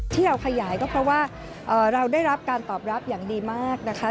ที่เราขยายก็เพราะว่าเราได้รับการตอบรับอย่างดีมากนะคะ